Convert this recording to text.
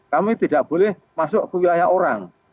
kami tidak boleh masuk ke wilayah orang